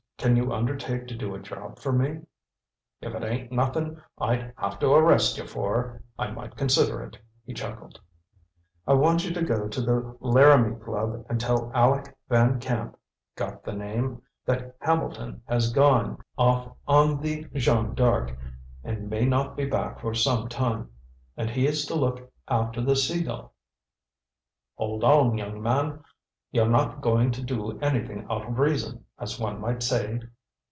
Can you undertake to do a job for me?" "If it ain't nothing I'd have to arrest you for, I might consider it," he chuckled. "I want you to go to the Laramie Club and tell Aleck Van Camp got the name? that Hambleton has gone off on the Jeanne D'Arc and may not be back for some time; and he is to look after the Sea Gull." "Hold on, young man; you're not going to do anything out of reason, as one might say?"